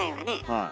はい。